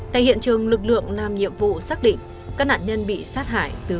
tại hiện trường lực lượng làm nhiệm vụ xác định các nạn nhân bị sát hại